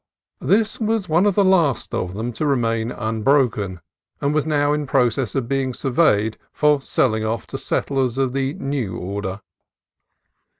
This was one of the last of them to remain unbroken, and was now in process of being surveyed for selling off to settlers of the new order.